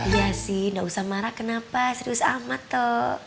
iya sih nggak usah marah kenapa serius amat tio